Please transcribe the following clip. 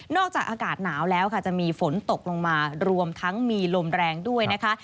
จากอากาศหนาวแล้วค่ะจะมีฝนตกลงมารวมทั้งมีลมแรงด้วยนะคะ